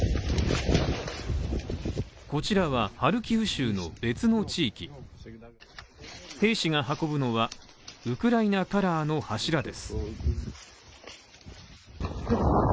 こちらは、ハルキウ州の別の地域兵士が運ぶのはウクライナカラーの柱です。